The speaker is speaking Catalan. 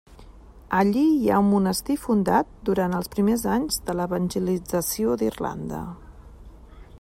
Allí hi ha un monestir fundat durant els primers anys de l'evangelització d'Irlanda.